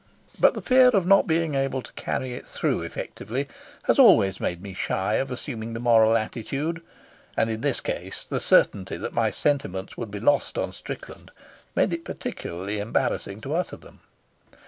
But the fear of not being able to carry it through effectively has always made me shy of assuming the moral attitude; and in this case the certainty that my sentiments would be lost on Strickland made it peculiarly embarrassing to utter them.